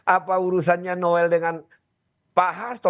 apa urusannya noel dengan pak hasto